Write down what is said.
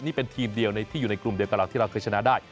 นี่เป็นทีมเดียวที่อยู่ในกลุ่มเดียวกับเราที่เราเคยชนะได้